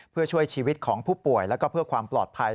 เพื่อช่วยชีวิตของผู้ป่วยแล้วก็เพื่อความปลอดภัย